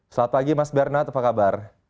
selamat pagi mas bernard apa kabar